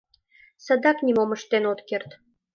Садак нимом ыштен от керт.